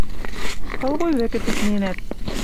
Пылвуй вӹкӹ тӹкненӓт.